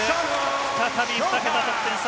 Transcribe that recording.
再び２桁得点差